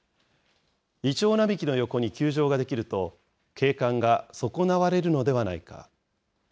イチョウ並木の横に球場ができると、景観が損なわれるのではないか。